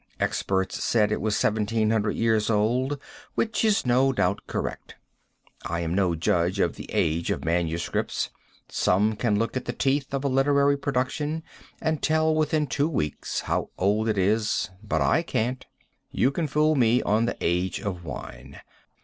Experts said it was 1,700 years old, which is no doubt correct. I am no judge of the age of MSS. Some can look at the teeth of a literary production and tell within two weeks how old it is, but I can't. You can also fool me on the age of wine.